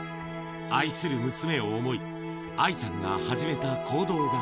愛する娘を想い、愛さんが始めた行動は。